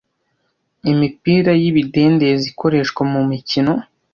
Imipira y'ibidendezi ikoreshwa mumikino